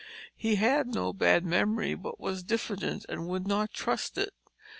He had no bad memory but was diffident and would not trust it.